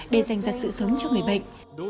để dành ra sự sống cho người bệnh